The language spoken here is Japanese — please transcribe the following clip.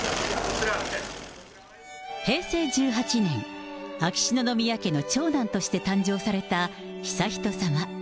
平成１８年、秋篠宮家の長男として誕生された悠仁さま。